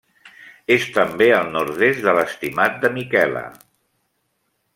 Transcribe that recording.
És també al nord-est de l'Estimat de Miquela.